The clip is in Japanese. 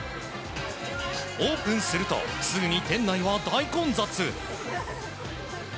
オープンするとすぐに店内は大混雑。